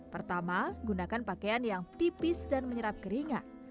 pertama gunakan pakaian yang tipis dan menyerap keringat